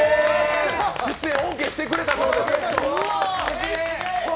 出演オーケーしてくれたそうです。